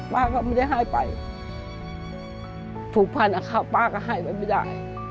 ป้าก็ไม่ได้ให้ไปผูกพันป้าก็ให้ไว้ไม่ได้